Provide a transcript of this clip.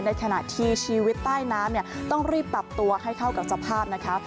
ในขณะที่ชีวิตใต้น้ำเนี่ยต้องรีบปรับตัวให้เข้ากับสภาพนะคะ